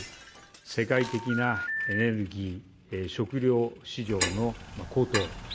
世界的なエネルギー食料市場の高騰。